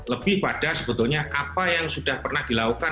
lebih pada sebetulnya apa yang sudah pernah dilakukan